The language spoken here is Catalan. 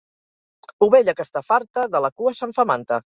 Ovella que està farta, de la cua se'n fa manta.